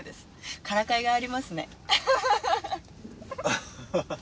アハハハハ！